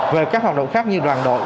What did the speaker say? về các hoạt động khác như đoàn đội